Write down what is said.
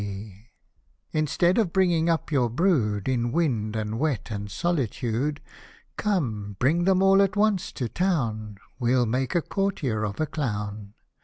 The Cat & the FOIL. 83 Instead of bringing up your brood In wind, and wet, and solitude.. Come, bring them all at once to town, We'll make a courtier of a clown.